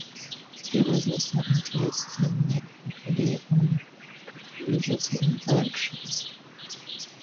He was assigned to the standing committee on privileges and elections.